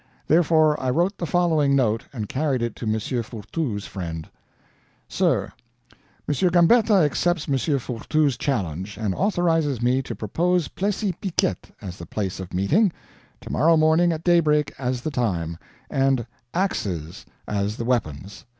Therefore I wrote the following note and carried it to M. Fourtou's friend: Sir: M. Gambetta accepts M. Fourtou's challenge, and authorizes me to propose Plessis Piquet as the place of meeting; tomorrow morning at daybreak as the time; and axes as the weapons.